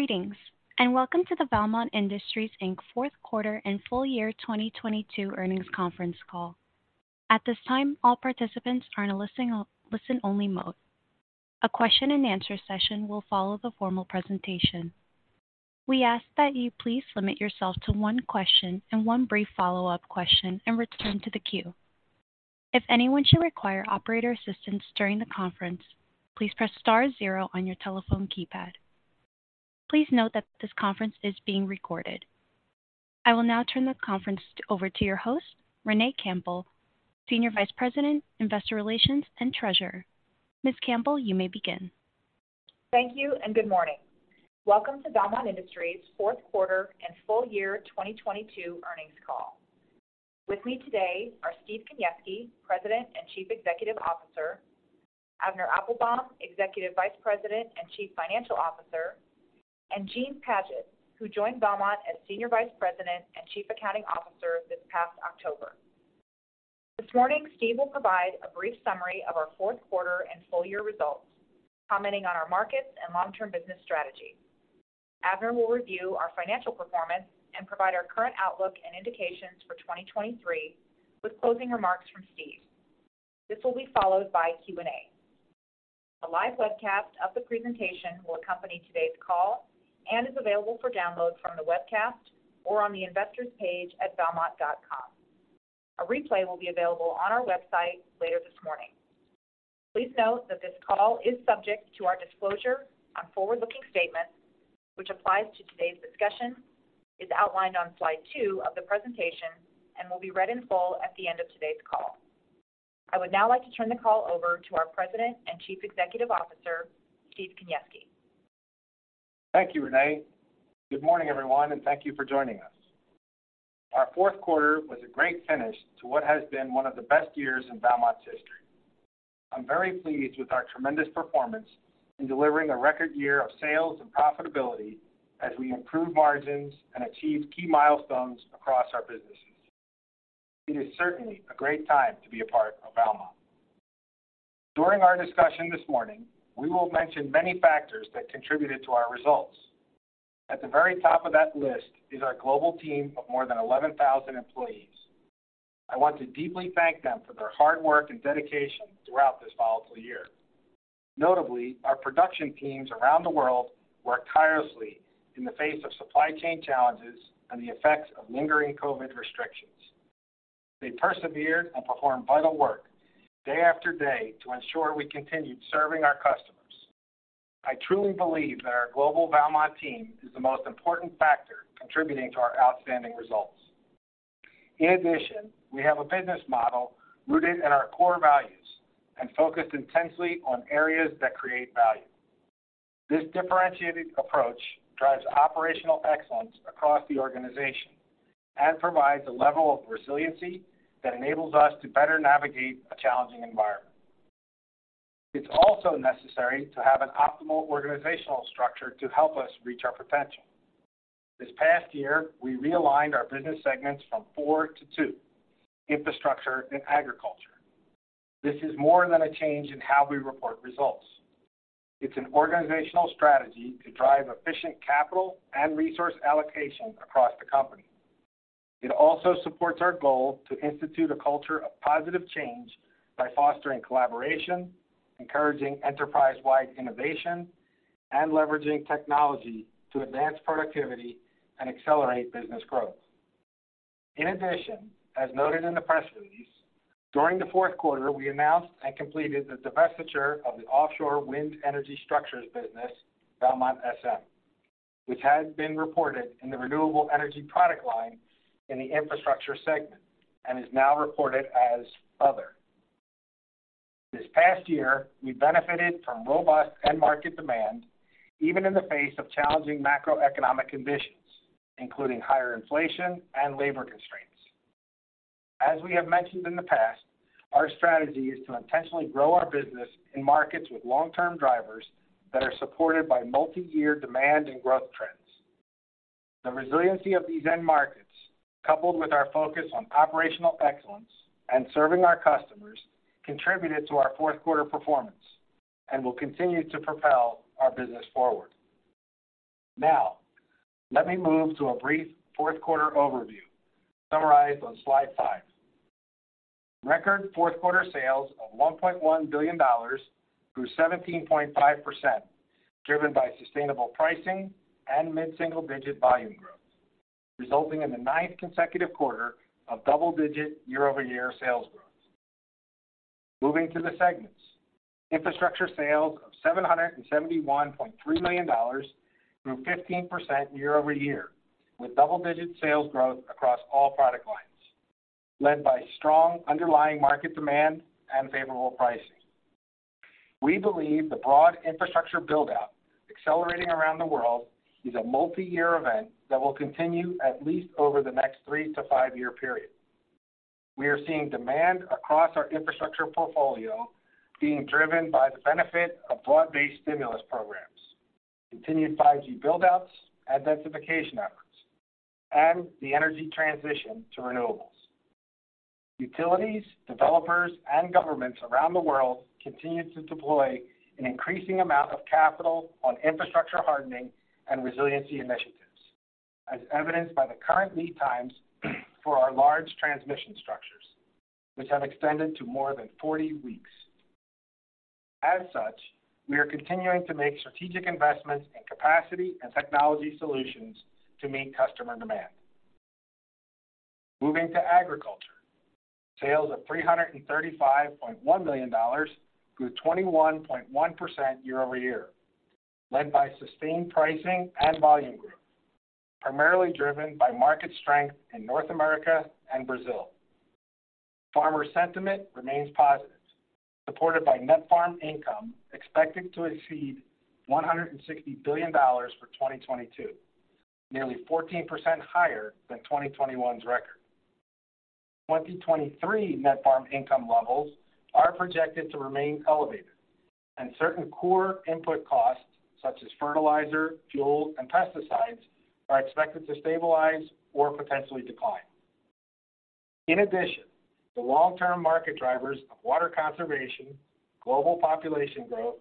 Greetings, welcome to the Valmont Industries Inc. fourth quarter and full year 2022 earnings conference call. At this time, all participants are in a listen-only mode. A question-and-answer session will follow the formal presentation. We ask that you please limit yourself to one question and one brief follow-up question and return to the queue. If anyone should require operator assistance during the conference, please press star zero on your telephone keypad. Please note that this conference is being recorded. I will now turn the conference over to your host, Renee Campbell, Senior Vice President, Investor Relations and Treasurer. Ms. Campbell, you may begin. Thank you, and good morning. Welcome to Valmont Industries fourth quarter and full year 2022 earnings call. With me today are Stephen Kaniewski, President and Chief Executive Officer, Avner Applbaum, Executive Vice President and Chief Financial Officer, and Eugene Padgett, who joined Valmont as Senior Vice President and Chief Accounting Officer this past October. This morning, Steve will provide a brief summary of our fourth quarter and full year results, commenting on our markets and long-term business strategy. Avner will review our financial performance and provide our current outlook and indications for 2023, with closing remarks from Steve. This will be followed by Q&A. A live webcast of the presentation will accompany today's call and is available for download from the webcast or on the investors page at valmont.com. A replay will be available on our website later this morning. Please note that this call is subject to our disclosure on forward-looking statements, which applies to today's discussion, is outlined on slide two of the presentation, and will be read in full at the end of today's call. I would now like to turn the call over to our President and Chief Executive Officer, Stephen Kaniewski. Thank you, Renee. Good morning, everyone, and thank you for joining us. Our fourth quarter was a great finish to what has been one of the best years in Valmont's history. I'm very pleased with our tremendous performance in delivering a record year of sales and profitability as we improved margins and achieved key milestones across our businesses. It is certainly a great time to be a part of Valmont. During our discussion this morning, we will mention many factors that contributed to our results. At the very top of that list is our global team of more than 11,000 employees. I want to deeply thank them for their hard work and dedication throughout this volatile year. Notably, our production teams around the world worked tirelessly in the face of supply chain challenges and the effects of lingering COVID restrictions. They persevered and performed vital work day after day to ensure we continued serving our customers. I truly believe that our global Valmont team is the most important factor contributing to our outstanding results. We have a business model rooted in our core values and focused intensely on areas that create value. This differentiated approach drives operational excellence across the organization and provides a level of resiliency that enables us to better navigate a challenging environment. It's also necessary to have an optimal organizational structure to help us reach our potential. This past year, we realigned our business segments from 4 to 2: infrastructure and agriculture. This is more than a change in how we report results. It's an organizational strategy to drive efficient capital and resource allocation across the company. It also supports our goal to institute a culture of positive change by fostering collaboration, encouraging enterprise-wide innovation, and leveraging technology to advance productivity and accelerate business growth. In addition, as noted in the press release, during the fourth quarter, we announced and completed the divestiture of the Offshore Wind Energy Structures business, Valmont SM, which had been reported in the renewable energy product line in the infrastructure segment and is now reported as other. This past year, we benefited from robust end market demand, even in the face of challenging macroeconomic conditions, including higher inflation and labor constraints. As we have mentioned in the past, our strategy is to intentionally grow our business in markets with long-term drivers that are supported by multi-year demand and growth trends. The resiliency of these end markets, coupled with our focus on operational excellence and serving our customers, contributed to our fourth quarter performance and will continue to propel our business forward. Now, let me move to a brief fourth quarter overview summarized on slide five. Record fourth quarter sales of $1.1 billion grew 17.5%, driven by sustainable pricing and mid-single digit volume growth, resulting in the 9th consecutive quarter of double-digit year-over-year sales growth. Moving to the segments. Infrastructure sales of $771.3 million grew 15% year-over-year, with double-digit sales growth across all product lines, led by strong underlying market demand and favorable pricing. We believe the broad infrastructure build-out accelerating around the world is a multi-year event that will continue at least over the next three-five year period. We are seeing demand across our infrastructure portfolio being driven by the benefit of broad-based stimulus programs, continued 5G build-outs and densification efforts, and the energy transition to renewables. Utilities, developers, and governments around the world continue to deploy an increasing amount of capital on infrastructure hardening and resiliency initiatives, as evidenced by the current lead times for our large transmission structures, which have extended to more than 40 weeks. As such, we are continuing to make strategic investments in capacity and technology solutions to meet customer demand. Moving to agriculture. Sales of $335.1 million grew 21.1% year-over-year, led by sustained pricing and volume growth, primarily driven by market strength in North America and Brazil. Farmer sentiment remains positive, supported by net farm income expected to exceed $160 billion for 2022, nearly 14% higher than 2021's record. 2023 net farm income levels are projected to remain elevated. Certain core input costs, such as fertilizer, fuel, and pesticides, are expected to stabilize or potentially decline. In addition, the long-term market drivers of water conservation, global population growth,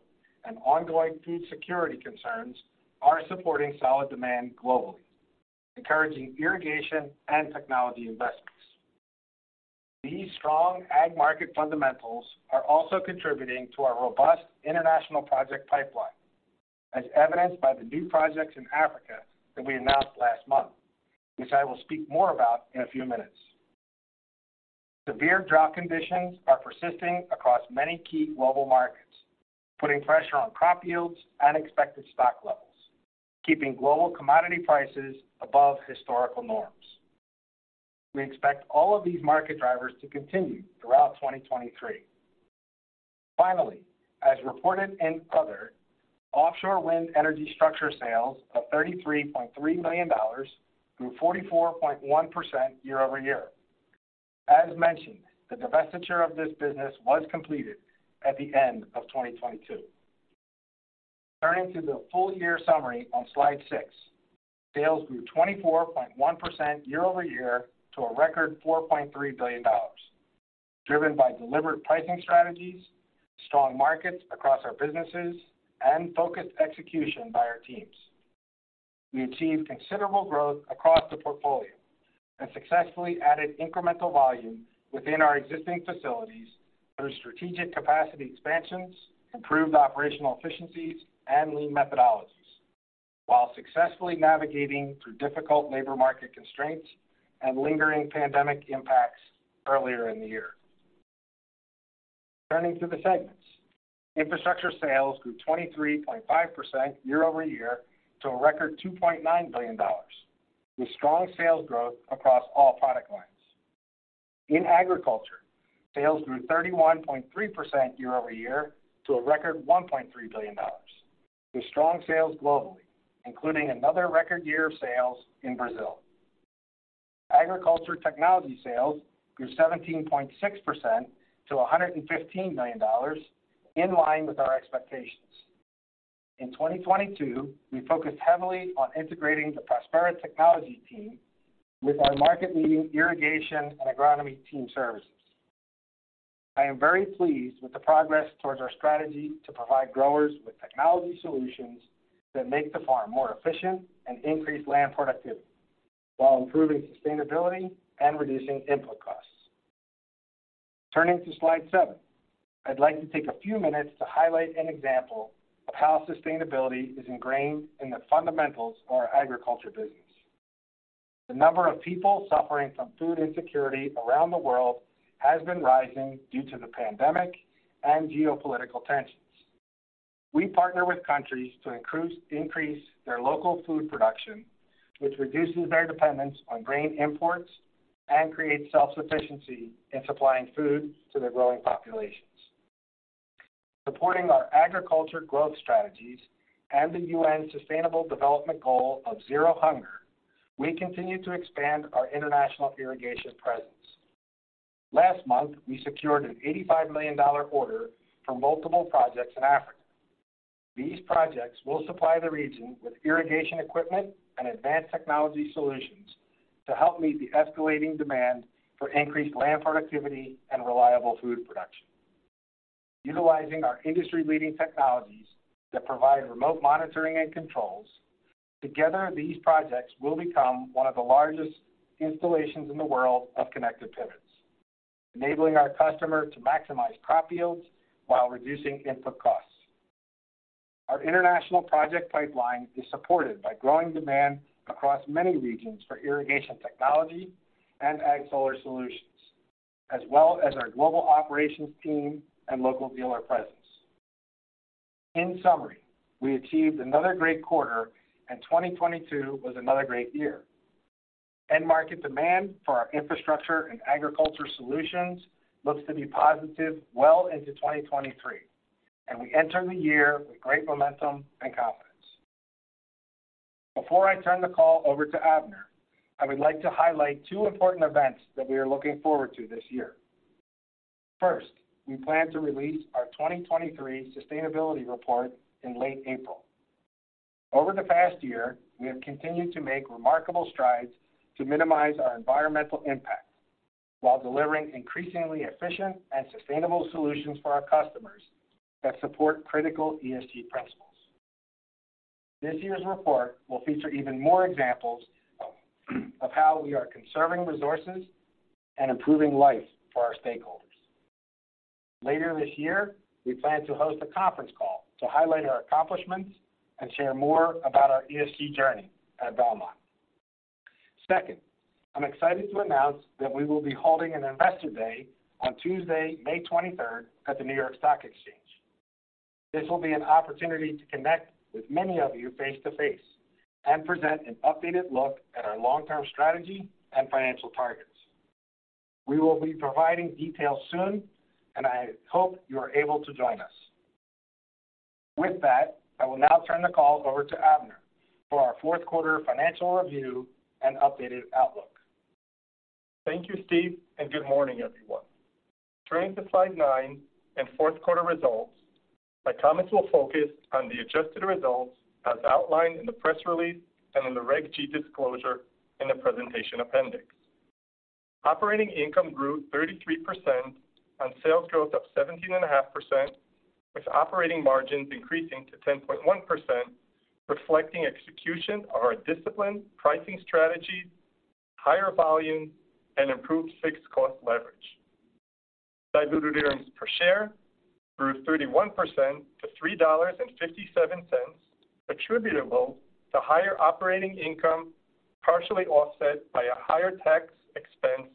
and ongoing food security concerns are supporting solid demand globally, encouraging irrigation and technology investments. These strong ag market fundamentals are also contributing to our robust international project pipeline, as evidenced by the new projects in Africa that we announced last month, which I will speak more about in a few minutes. Severe drought conditions are persisting across many key global markets, putting pressure on crop yields and expected stock levels, keeping global commodity prices above historical norms. We expect all of these market drivers to continue throughout 2023. Finally, as reported in other, offshore wind energy structure sales of $33.3 million grew 44.1% year-over-year. As mentioned, the divestiture of this business was completed at the end of 2022. Turning to the full year summary on slide six. Sales grew 24.1% year-over-year to a record $4.3 billion, driven by deliberate pricing strategies, strong markets across our businesses, and focused execution by our teams. We achieved considerable growth across the portfolio and successfully added incremental volume within our existing facilities through strategic capacity expansions, improved operational efficiencies, and lean methodologies, while successfully navigating through difficult labor market constraints and lingering pandemic impacts earlier in the year. Turning to the segments. Infrastructure sales grew 23.5% year-over-year to a record $2.9 billion, with strong sales growth across all product lines. In agriculture, sales grew 31.3% year-over-year to a record $1.3 billion, with strong sales globally, including another record year of sales in Brazil. Agriculture technology sales grew 17.6% to $115 million, in line with our expectations. In 2022, we focused heavily on integrating the Prospera technology team with our market-leading irrigation and agronomy team services. I am very pleased with the progress towards our strategy to provide growers with technology solutions that make the farm more efficient and increase land productivity while improving sustainability and reducing input costs. Turning to slide seven. I'd like to take a few minutes to highlight an example of how sustainability is ingrained in the fundamentals of our agriculture business. The number of people suffering from food insecurity around the world has been rising due to the pandemic and geopolitical tensions. We partner with countries to increase their local food production, which reduces their dependence on grain imports and creates self-sufficiency in supplying food to their growing populations. Supporting our agriculture growth strategies and the UN Sustainable Development Goal of Zero Hunger, we continue to expand our international irrigation presence. Last month, we secured an $85 million order for multiple projects in Africa. These projects will supply the region with irrigation equipment and advanced technology solutions to help meet the escalating demand for increased land productivity and reliable food production. Utilizing our industry-leading technologies that provide remote monitoring and controls, together, these projects will become one of the largest installations in the world of connected pivots, enabling our customer to maximize crop yields while reducing input costs. Our international project pipeline is supported by growing demand across many regions for irrigation technology and ag solar solutions, as well as our global operations team and local dealer presence. In summary, we achieved another great quarter, and 2022 was another great year. End market demand for our infrastructure and agriculture solutions looks to be positive well into 2023, and we enter the year with great momentum and confidence. Before I turn the call over to Avner, I would like to highlight two important events that we are looking forward to this year. First, we plan to release our 2023 sustainability report in late April. Over the past year, we have continued to make remarkable strides to minimize our environmental impact while delivering increasingly efficient and sustainable solutions for our customers that support critical ESG principles. This year's report will feature even more examples of how we are conserving resources and improving life for our stakeholders. Later this year, we plan to host a conference call to highlight our accomplishments and share more about our ESG journey at Valmont. Second, I'm excited to announce that we will be holding an Investor Day on Tuesday, May 23rd, at the New York Stock Exchange. This will be an opportunity to connect with many of you face to face and present an updated look at our long-term strategy and financial targets. We will be providing details soon, and I hope you are able to join us. With that, I will now turn the call over to Avner for our fourth quarter financial review and updated outlook. Thank you, Steve. Good morning, everyone. Turning to slide nine and fourth quarter results, my comments will focus on the adjusted results as outlined in the press release and in the Reg G disclosure in the presentation appendix. Operating income grew 33% on sales growth of 17.5%, with operating margins increasing to 10.1%, reflecting execution of our disciplined pricing strategies, higher volume, and improved fixed cost leverage. Diluted earnings per share grew 31% to $3.57, attributable to higher operating income, partially offset by a higher tax expense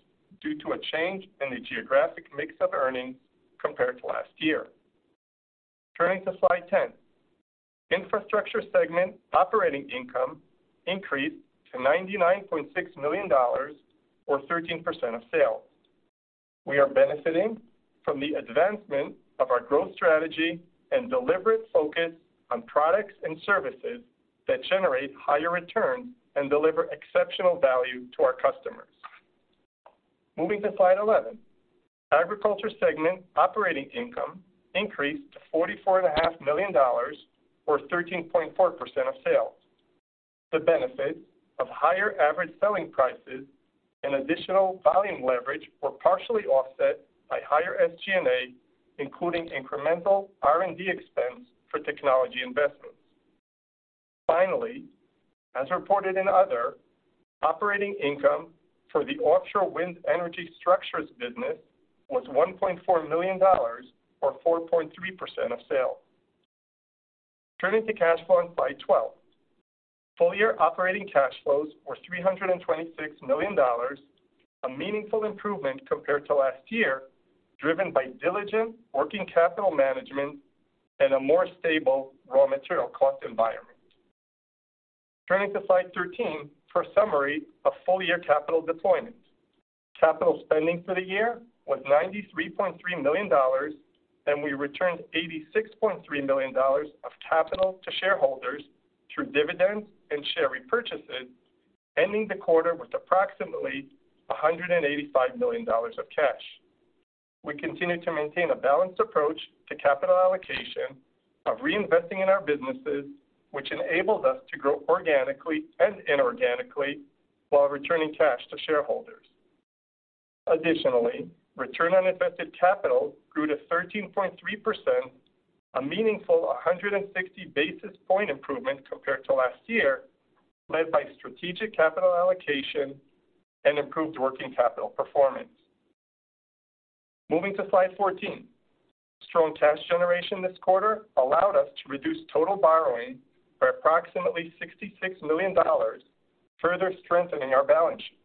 due to a change in the geographic mix of earnings compared to last year. Turning to slide 10. Infrastructure segment operating income increased to $99.6 million, or 13% of sales. We are benefiting from the advancement of our growth strategy and deliberate focus on products and services that generate higher returns and deliver exceptional value to our customers. Moving to slide 11. Agriculture segment operating income increased to $44.5 million, or 13.4% of sales. The benefits of higher average selling prices and additional volume leverage were partially offset by higher SG&A, including incremental R&D expense for technology investments. Finally, as reported in other, operating income for the offshore wind energy structures business was $1.4 million or 4.3% of sales. Turning to cash flow on slide 12. Full year operating cash flows were $326 million, a meaningful improvement compared to last year, driven by diligent working capital management and a more stable raw material cost environment. Turning to slide 13 for a summary of full year capital deployment. Capital spending for the year was $93.3 million. We returned $86.3 million of capital to shareholders through dividends and share repurchases, ending the quarter with approximately $185 million of cash. We continue to maintain a balanced approach to capital allocation of reinvesting in our businesses, which enables us to grow organically and inorganically while returning cash to shareholders. Additionally, return on invested capital grew to 13.3%, a meaningful 160 basis point improvement compared to last year, led by strategic capital allocation and improved working capital performance. Moving to slide 14. Strong cash generation this quarter allowed us to reduce total borrowing by approximately $66 million, further strengthening our balance sheet.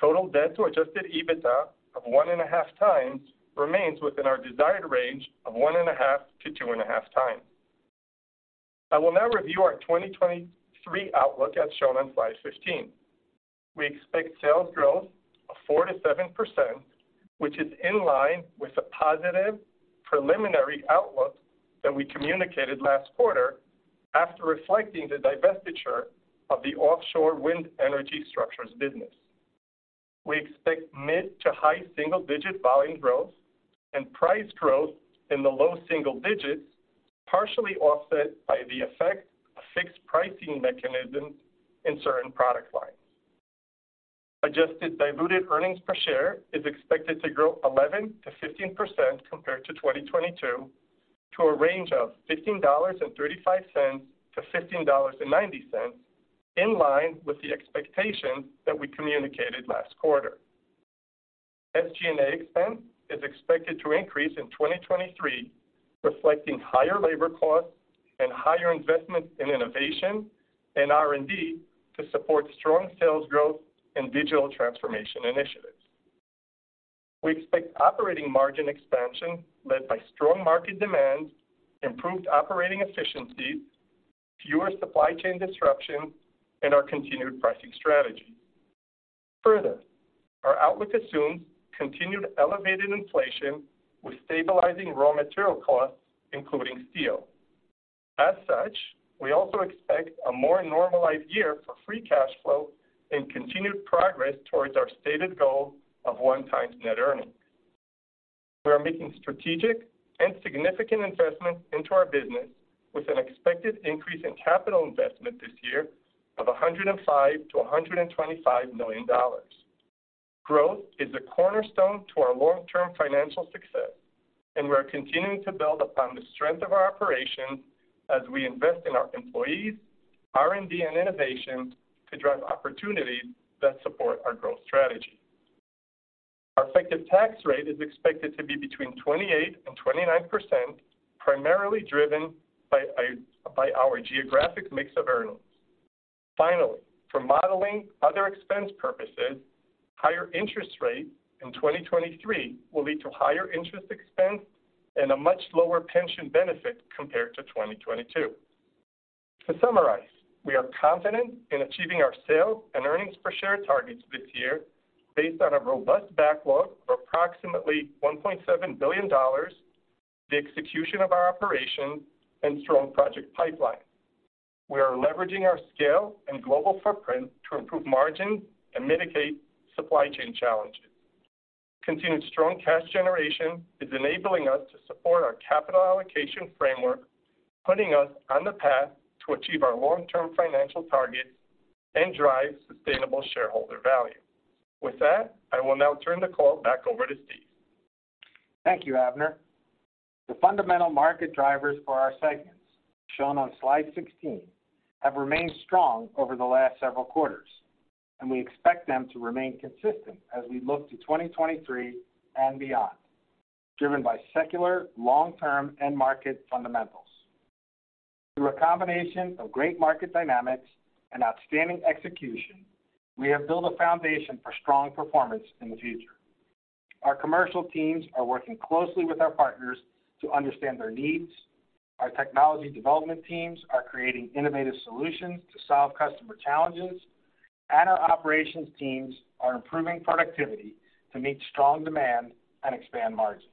Total debt to Adjusted EBITDA of 1.5x remains within our desired range of 1.5x-2.5x. I will now review our 2023 outlook as shown on slide 15. We expect sales growth of 4%-7%, which is in line with the positive preliminary outlook that we communicated last quarter after reflecting the divestiture of the offshore wind energy structures business. We expect mid-to-high single-digit volume growth and price growth in the low single-digits, partially offset by the effect of fixed pricing mechanisms in certain product lines. Adjusted diluted earnings per share is expected to grow 11%-15% compared to 2022, to a range of $15.35-$15.90, in line with the expectation that we communicated last quarter. SG&A expense is expected to increase in 2023, reflecting higher labor costs and higher investments in innovation and R&D to support strong sales growth and digital transformation initiatives. We expect operating margin expansion led by strong market demand, improved operating efficiencies, fewer supply chain disruptions, and our continued pricing strategy. Further, our outlook assumes continued elevated inflation with stabilizing raw material costs, including steel. Such, we also expect a more normalized year for free cash flow and continued progress towards our stated goal of 1x net earnings. We are making strategic and significant investments into our business with an expected increase in capital investment this year of $105 million-$125 million. Growth is a cornerstone to our long-term financial success, and we are continuing to build upon the strength of our operations as we invest in our employees, R&D, and innovation to drive opportunities that support our growth strategy. Our effective tax rate is expected to be between 28% and 29%, primarily driven by our geographic mix of earnings. Finally, for modeling other expense purposes, higher interest rates in 2023 will lead to higher interest expense and a much lower pension benefit compared to 2022. To summarize, we are confident in achieving our sales and earnings per share targets this year based on a robust backlog of approximately $1.7 billion, the execution of our operations, and strong project pipeline. We are leveraging our scale and global footprint to improve margin and mitigate supply chain challenges. Continued strong cash generation is enabling us to support our capital allocation framework, putting us on the path to achieve our long-term financial targets and drive sustainable shareholder value. With that, I will now turn the call back over to Steve. Thank you, Avner. The fundamental market drivers for our segments, shown on slide 16, have remained strong over the last several quarters. We expect them to remain consistent as we look to 2023 and beyond, driven by secular, long-term, end market fundamentals. Through a combination of great market dynamics and outstanding execution, we have built a foundation for strong performance in the future. Our commercial teams are working closely with our partners to understand their needs, our technology development teams are creating innovative solutions to solve customer challenges, and our operations teams are improving productivity to meet strong demand and expand margins.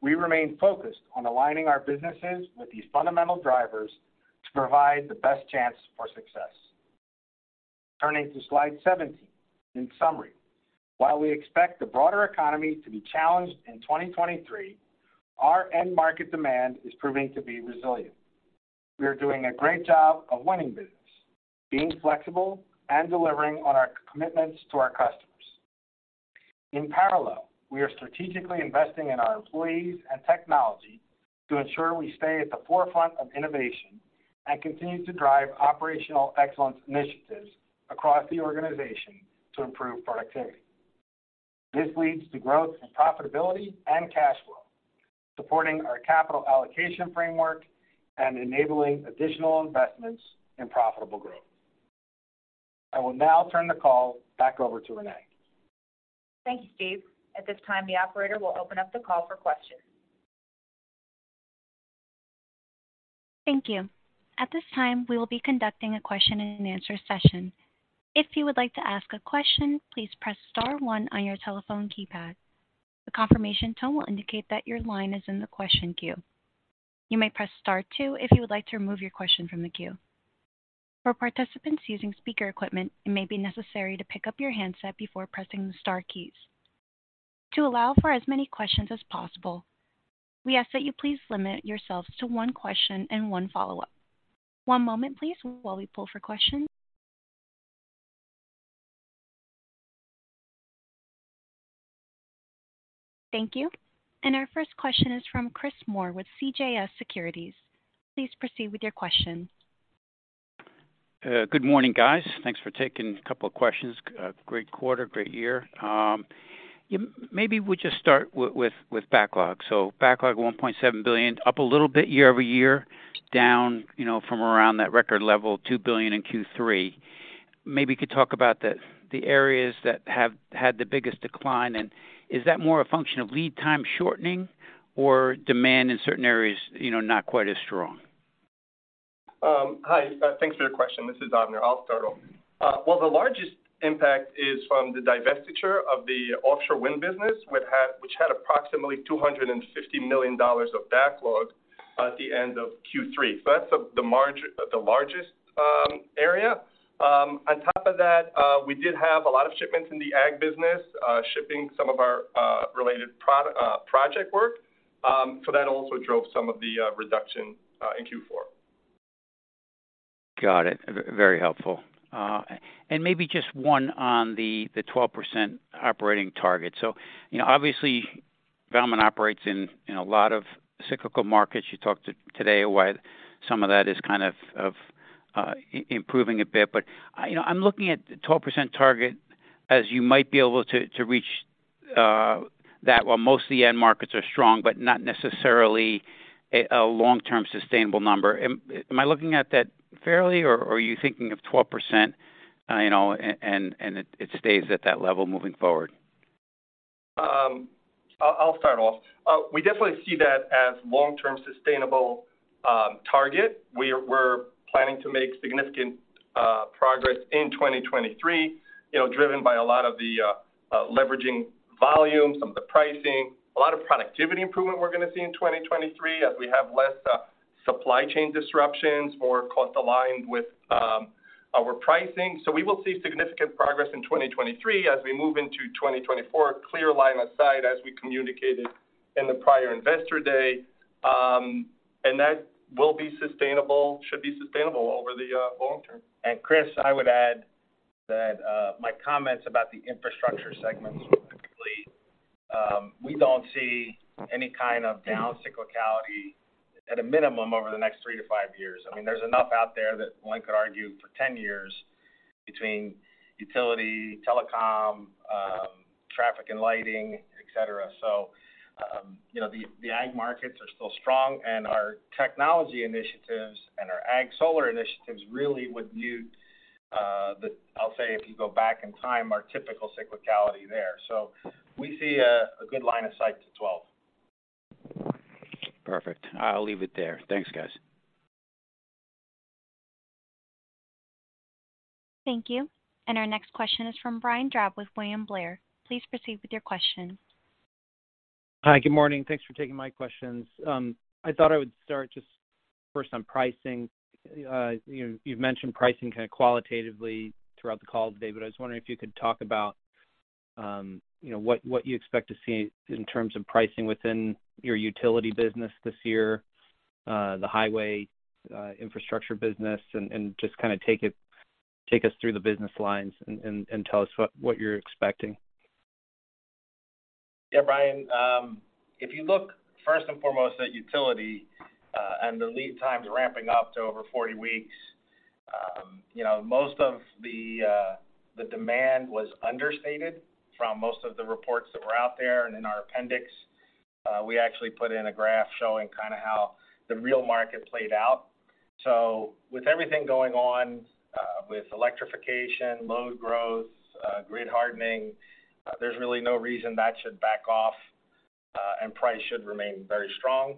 We remain focused on aligning our businesses with these fundamental drivers to provide the best chance for success. Turning to slide 17. In summary, while we expect the broader economy to be challenged in 2023, our end market demand is proving to be resilient. We are doing a great job of winning business, being flexible, and delivering on our commitments to our customers. In parallel, we are strategically investing in our employees and technology to ensure we stay at the forefront of innovation and continue to drive operational excellence initiatives across the organization to improve productivity. This leads to growth in profitability and cash flow, supporting our capital allocation framework and enabling additional investments in profitable growth. I will now turn the call back over to Renee. Thank you, Steve. At this time, the operator will open up the call for questions. Thank you. At this time, we will be conducting a question and answer session. If you would like to ask a question, please press star one on your telephone keypad. The confirmation tone will indicate that your line is in the question queue. You may press star two if you would like to remove your question from the queue. For participants using speaker equipment, it may be necessary to pick up your handset before pressing the star keys. To allow for as many questions as possible, we ask that you please limit yourselves to one question and one follow-up. One moment, please, while we pull for questions. Thank you. Our first question is from Christopher Moore with CJS Securities. Please proceed with your question. Good morning, guys. Thanks for taking a couple of questions. Great quarter, great year. Maybe we just start with backlog. Backlog $1.7 billion, up a little bit year-over-year, down, you know, from around that record level, $2 billion in Q3. Maybe you could talk about the areas that have had the biggest decline, and is that more a function of lead time shortening or demand in certain areas, you know, not quite as strong? Hi, thanks for your question. This is Avner. I'll start off. Well, the largest impact is from the divestiture of the offshore wind business, which had approximately $250 million of backlog at the end of Q3. That's the largest area. On top of that, we did have a lot of shipments in the ag business, shipping some of our related project work, that also drove some of the reduction in Q4. Got it. Very helpful. Maybe just one on the 12% operating target. You know, obviously, Valmont operates in a lot of cyclical markets. You talked today why some of that is kind of improving a bit. You know, I'm looking at the 12% target as you might be able to reach that while most of the end markets are strong, but not necessarily a long-term sustainable number. Am I looking at that fairly, or are you thinking of 12%, you know, and it stays at that level moving forward? I'll start off. We definitely see that as long-term sustainable target. We're planning to make significant progress in 2023, you know, driven by a lot of the leveraging volume, some of the pricing. A lot of productivity improvement we're gonna see in 2023 as we have less supply chain disruptions, more cost aligned with our pricing. We will see significant progress in 2023. As we move into 2024, clear line of sight as we communicated in the prior Investor Day. That will be sustainable, should be sustainable over the long term. Chris, I would add that my comments about the infrastructure segments were complete. We don't see any kind of down cyclicality at a minimum over the next three to five years. I mean, there's enough out there that one could argue for 10 years between utility, telecom, traffic and lighting, et cetera. You know, the ag markets are still strong, and our technology initiatives and our ag solar initiatives really would mute the I'll say if you go back in time, our typical cyclicality there. We see a good line of sight to 12%. Perfect. I'll leave it there. Thanks, guys. Thank you. Our next question is from Brian Drab with William Blair. Please proceed with your question. Hi, good morning. Thanks for taking my questions. I thought I would start just first on pricing. You've mentioned pricing kind of qualitatively throughout the call today, but I was wondering if you could talk about, you know, what you expect to see in terms of pricing within your utility business this year, the highway, infrastructure business, and just kinda take us through the business lines and tell us what you're expecting. Yeah, Brian. If you look first and foremost at utility, and the lead times ramping up to over 40 weeks, you know, most of the demand was understated from most of the reports that were out there. In our appendix, we actually put in a graph showing kinda how the real market played out. With everything going on, with electrification, load growth, grid hardening, there's really no reason that should back off, and price should remain very strong.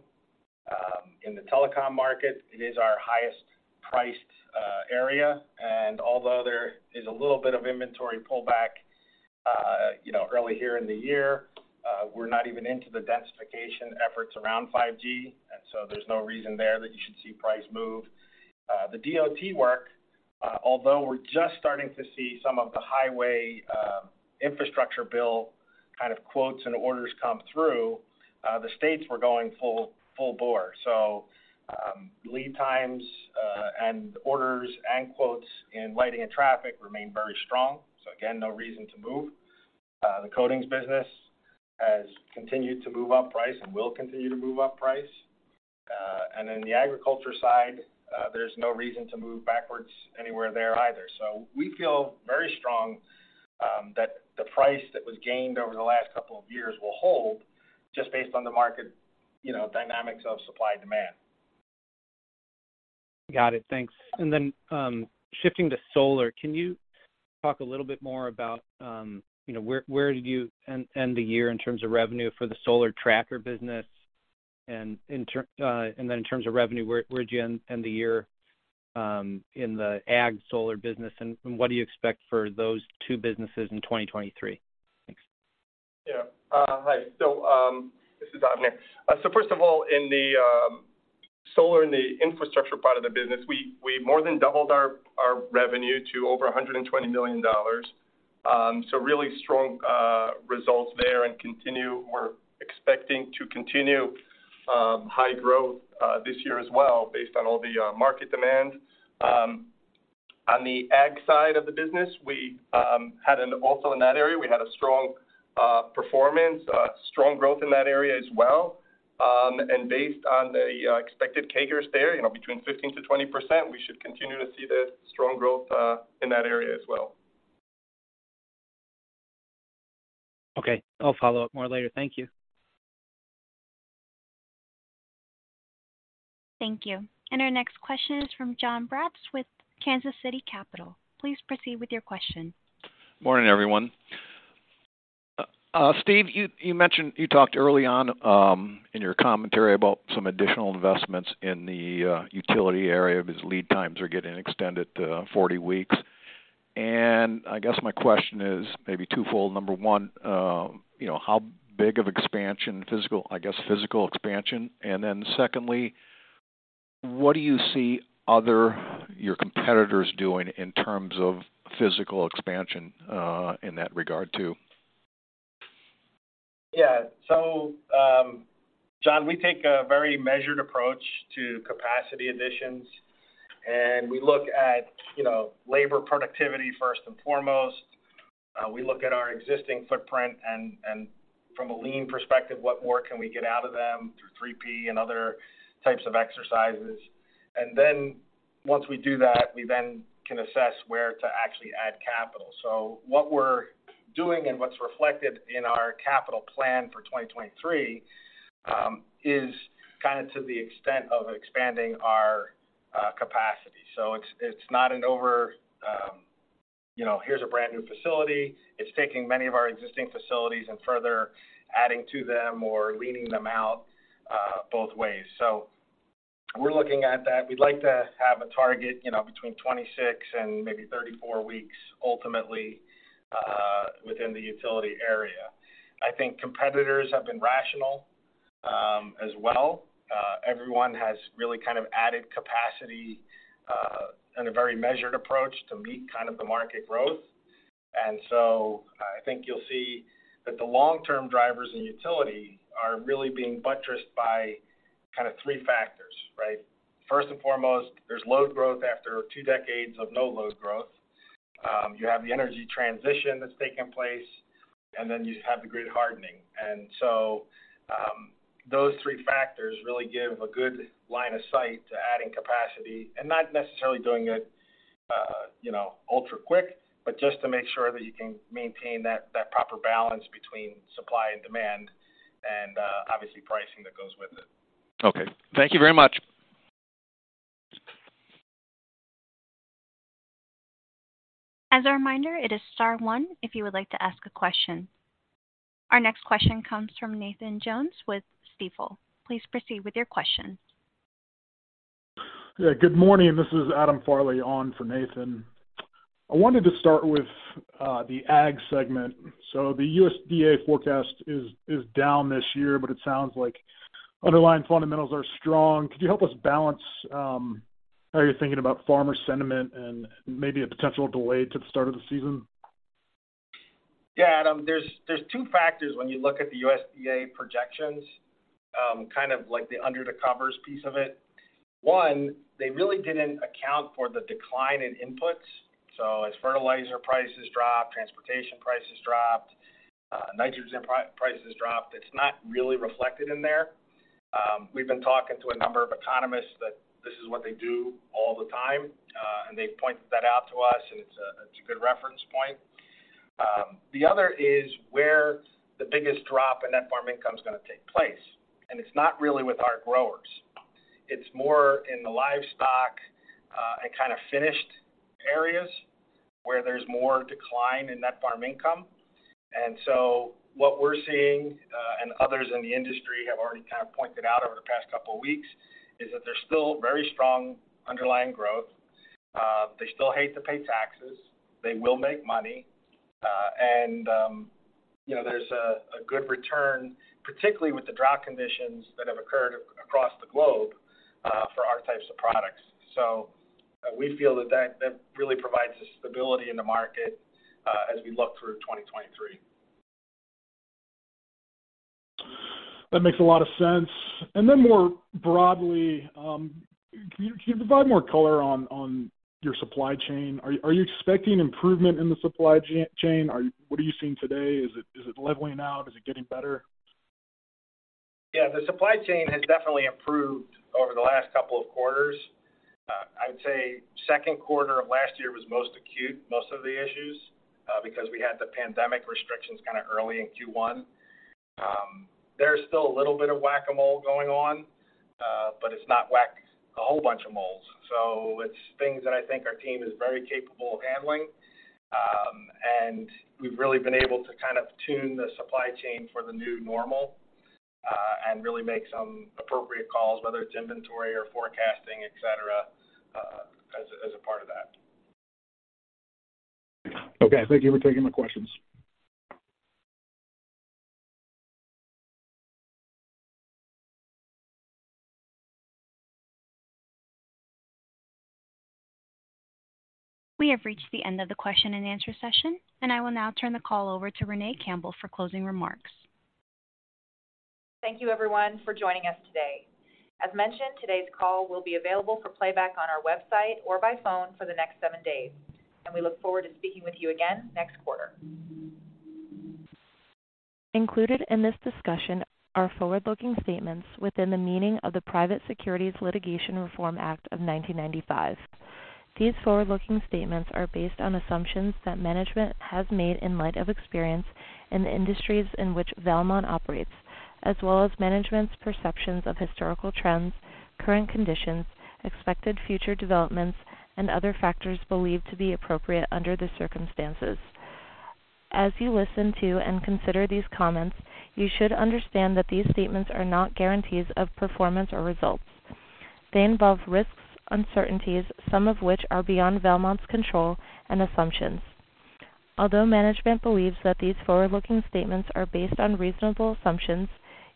In the telecom market, it is our highest priced area. Although there is a little bit of inventory pullback, you know, early here in the year, we're not even into the densification efforts around 5G, there's no reason there that you should see price move. The DOT work, although we're just starting to see some of the highway infrastructure bill kind of quotes and orders come through, the states were going full bore. Lead times, and orders and quotes in lighting and traffic remain very strong, again, no reason to move. The coatings business has continued to move up price and will continue to move up price. The agriculture side, there's no reason to move backwards anywhere there either. We feel very strong, that the price that was gained over the last couple of years will hold just based on the market, you know, dynamics of supply and demand. Got it. Thanks. Shifting to solar, can you talk a little bit more about, you know, where did you end the year in terms of revenue for the solar tracker business? In terms of revenue, where'd you end the year in the ag solar business, and what do you expect for those two businesses in 2023? Thanks. Hi. This is Avner. First of all, in the solar and the infrastructure part of the business, we more than doubled our revenue to over $120 million. Really strong results there and we're expecting to continue high growth this year as well based on all the market demand. On the ag side of the business, we Also in that area, we had a strong performance, strong growth in that area as well. Based on the expected CAGRs there, between 15%-20%, we should continue to see the strong growth in that area as well. Okay. I'll follow up more later. Thank you. Thank you. Our next question is from Jon Braatz with Kansas City Capital Associates. Please proceed with your question. Morning, everyone. Steve, you talked early on in your commentary about some additional investments in the utility area as lead times are getting extended to 40 weeks. I guess my question is maybe twofold. Number one, you know, how big of expansion, I guess physical expansion. Secondly, what do you see your competitors doing in terms of physical expansion in that regard too? Jon, we take a very measured approach to capacity additions. We look at, you know, labor productivity first and foremost. We look at our existing footprint and from a lean perspective, what more can we get out of them through 3P and other types of exercises. Then once we do that, we then can assess where to actually add capital. What we're doing and what's reflected in our capital plan for 2023, is kind of to the extent of expanding our capacity. It's not an over. You know, here's a brand new facility. It's taking many of our existing facilities and further adding to them or leaning them out, both ways. We're looking at that. We'd like to have a target, you know, between 26 and maybe 34 weeks ultimately, within the utility area. I think competitors have been rational as well. Everyone has really kind of added capacity in a very measured approach to meet kind of the market growth. I think you'll see that the long-term drivers in utility are really being buttressed by kind of three factors, right? First and foremost, there's load growth after two decades of no load growth. You have the energy transition that's taking place, and then you have the grid hardening. Those three factors really give a good line of sight to adding capacity and not necessarily doing it, you know, ultra quick, but just to make sure that you can maintain that proper balance between supply and demand and obviously pricing that goes with it. Okay. Thank you very much. As a reminder, it is star one if you would like to ask a question. Our next question comes from Nathan Jones with Stifel. Please proceed with your question. Yeah, good morning. This is Adam Farley on for Nathan. I wanted to start with the ag segment. The USDA forecast is down this year, but it sounds like underlying fundamentals are strong. Could you help us balance how you're thinking about farmer sentiment and maybe a potential delay to the start of the season? Yeah, Adam. There's two factors when you look at the USDA projections, kind of like the under the covers piece of it. One, they really didn't account for the decline in inputs. As fertilizer prices dropped, transportation prices dropped, nitrogen prices dropped. It's not really reflected in there. We've been talking to a number of economists that this is what they do all the time, and they've pointed that out to us, and it's a, it's a good reference point. The other is where the biggest drop in net farm income is gonna take place. It's not really with our growers. It's more in the livestock, and kind of finished areas where there's more decline in net farm income. What we're seeing, and others in the industry have already kind of pointed out over the past couple of weeks is that there's still very strong underlying growth. They still hate to pay taxes. They will make money. And, you know, there's a good return, particularly with the drought conditions that have occurred across the globe, for our types of products. We feel that really provides a stability in the market, as we look through 2023. That makes a lot of sense. More broadly, can you provide more color on your supply chain? Are you expecting improvement in the supply chain? What are you seeing today? Is it leveling out? Is it getting better? Yeah, the supply chain has definitely improved over the last couple of quarters. I'd say second quarter of last year was most acute, most of the issues, because we had the pandemic restrictions kinda early in Q1. There's still a little bit of Whac-A-Mole going on, but it's not whack a whole bunch of moles. It's things that I think our team is very capable of handling, and we've really been able to kind of tune the supply chain for the new normal, and really make some appropriate calls, whether it's inventory or forecasting, etc., as a part of that. Okay. Thank you for taking my questions. We have reached the end of the question and answer session. I will now turn the call over to Renee Campbell for closing remarks. Thank you everyone for joining us today. As mentioned, today's call will be available for playback on our website or by phone for the next seven days. We look forward to speaking with you again next quarter. Included in this discussion are forward-looking statements within the meaning of the Private Securities Litigation Reform Act of 1995. These forward-looking statements are based on assumptions that management has made in light of experience in the industries in which Valmont operates, as well as management's perceptions of historical trends, current conditions, expected future developments, and other factors believed to be appropriate under the circumstances. As you listen to and consider these comments, you should understand that these statements are not guarantees of performance or results. They involve risks, uncertainties, some of which are beyond Valmont's control and assumptions. Although management believes that these forward-looking statements are based on reasonable assumptions,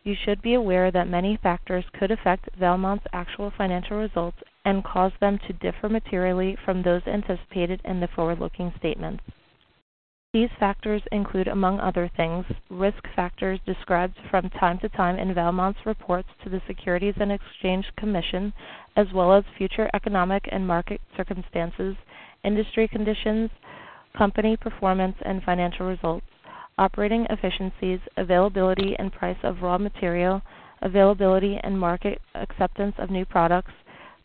you should be aware that many factors could affect Valmont's actual financial results and cause them to differ materially from those anticipated in the forward-looking statements. These factors include, among other things, risk factors described from time to time in Valmont's reports to the Securities and Exchange Commission, as well as future economic and market circumstances, industry conditions, company performance and financial results, operating efficiencies, availability and price of raw material, availability and market acceptance of new products,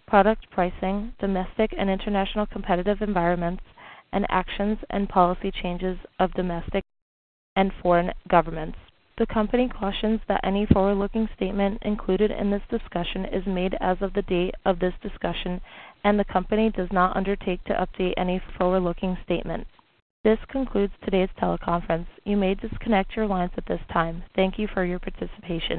product pricing, domestic and international competitive environments, and actions and policy changes of domestic and foreign governments. The company cautions that any forward-looking statement included in this discussion is made as of the date of this discussion, and the company does not undertake to update any forward-looking statements. This concludes today's teleconference. You may disconnect your lines at this time. Thank you for your participation.